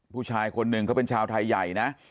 ผู้ชายคนหนึ่งเขาเป็นชาวไทยใหญ่นะ